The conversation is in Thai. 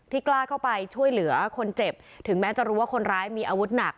กล้าเข้าไปช่วยเหลือคนเจ็บถึงแม้จะรู้ว่าคนร้ายมีอาวุธหนัก